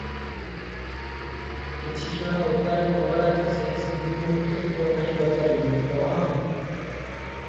କିଛିକ୍ଷଣ ଉତ୍ତାରେ ମଙ୍ଗରାଜେ ସେହି ସ୍ତ୍ରୀ ମୂର୍ତ୍ତିଟିକୁ ଅନାଇ ପଚାରିଲେ, "କ'ଣ?"